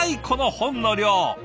この本の量。